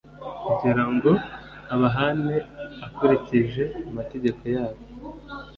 kugira ngo abahane akurikije amategeko yabo